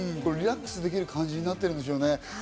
リラックスできる感じになってるんでしょうね。